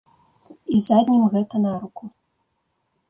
І заднім гэта наруку.